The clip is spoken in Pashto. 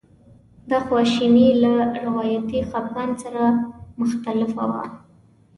دا خواشیني له روایتي خپګان سره مختلفه وه.